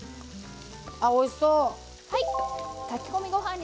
あおいしそう！